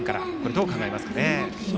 どう考えますかね。